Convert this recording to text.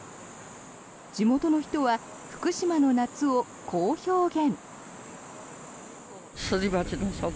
地元の人は福島の夏をこう表現。